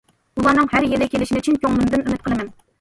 ئۇلارنىڭ ھەر يىلى كېلىشىنى چىن كۆڭلۈمدىن ئۈمىد قىلىمەن.